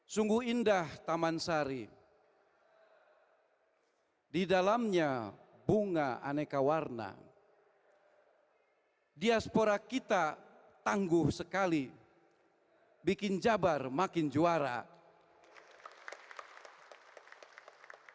sungguh indah tamansari di dalamnya bunga aneka warna diaspora kita tangguh sekali bikin jabar matanya di collette my mum